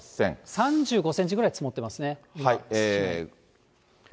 ３５センチぐらい積もってますね、今。